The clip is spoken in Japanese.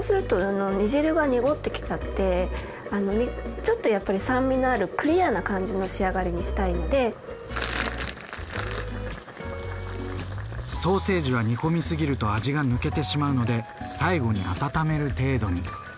ちょっとやっぱりソーセージは煮込みすぎると味が抜けてしまうので最後に温める程度に。